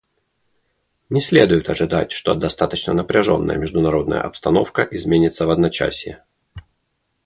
Не следует ожидать, что достаточно напряженная международная обстановка изменится в одночасье.